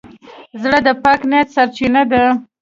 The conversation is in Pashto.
زړه د پاک نیت سرچینه ده.